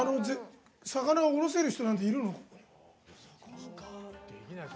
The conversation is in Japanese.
魚をおろせる人なんているの？